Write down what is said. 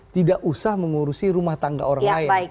tidak usah mengurusi rumah tangga orang lain